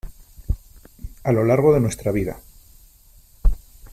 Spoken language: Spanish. a lo largo de nuestra vida .